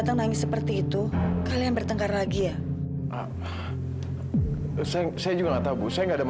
sampai jumpa di video selanjutnya